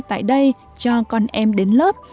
tại đây cho con em đến lớp